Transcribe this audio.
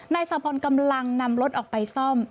นายสาพลกำลังนำรถออกไปซ่อม